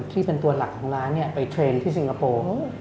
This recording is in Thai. ที่เป็นตัวหลักของร้านไปเทรนด์ที่สิงคโปร์